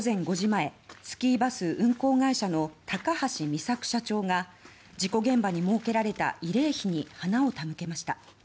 午前５時前スキーバス運行会社の高橋美作社長が事故現場に設けられた慰霊碑に花を手向けました。